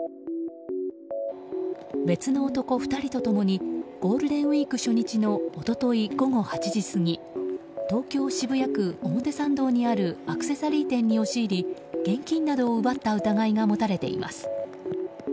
別の男２人と共にゴールデンウィーク初日の一昨日午後８時過ぎ東京・渋谷区表参道にあるアクセサリー店に押し入り現金などを奪った疑いが持たれています。